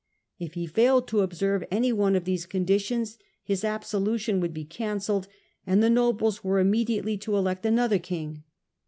If he failed to observe anyone of these conditions his absolution would be cancelled and the nobles were immediately to elect another king.